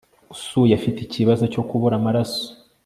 usuye afite ikibazo cyo kubura amaraso